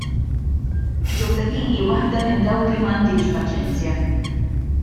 Josephine hi waħda minn dawk li m'għandhiex paċenzja!